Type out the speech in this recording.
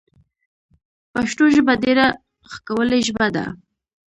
پشتو ژبه ډېره ښکولي ژبه ده